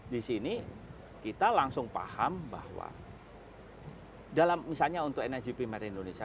di sini kita langsung paham bahwa dalam misalnya untuk energi primer indonesia